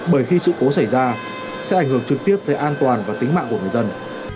bởi khi sự cố xảy ra sẽ ảnh hưởng trực tiếp tới an toàn và tính mạng của người dân